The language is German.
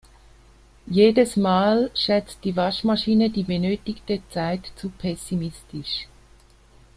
Jedes Mal schätzt die Waschmaschine die benötigte Zeit zu pessimistisch.